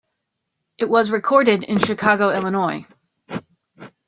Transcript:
It was recorded in Chicago, Illinois.